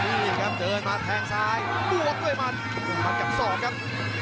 นี่ครับเดินมาแทงซ้ายบวกด้วยมัดกับศอกครับ